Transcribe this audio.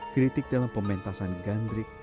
kritik dalam pementasan gandrik